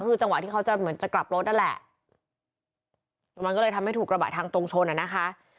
คือจังหวะที่เขาจะเหมือนจะกลับรถนั่นแหละมันก็เลยทำให้ถูกกระบะทางตรงชนอ่ะนะคะ